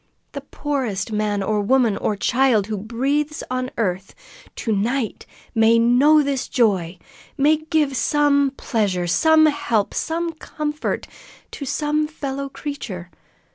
The poorest man or woman or child who breathes on earth to night may know this joy, may give some pleasure, some help, some comfort, to some fellow creature.